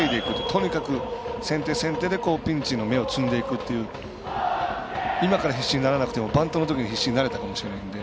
とにかく、先手先手でピンチの芽を摘んでいくという今から必死にならなくてもバントの時にやれたかもしれないので。